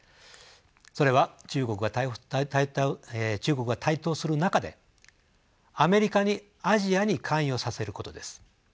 それは中国が台頭する中でアメリカにアジアに関与させることです。